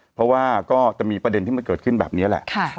เพราะว่าก็จะมีประเด็นที่มันเกิดขึ้นแบบนี้แหละ